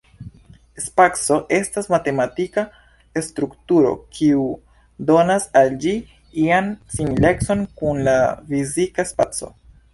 Spaco estas matematika strukturo, kiu donas al ĝi ian similecon kun la fizika spaco.